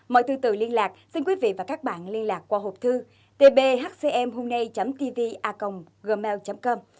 mọi thư tử liên lạc xin quý vị và các bạn liên lạc qua hộp thư tbhcmhungnay tvaconggmail com